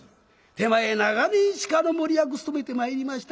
手前長年鹿の守り役務めてまいりました。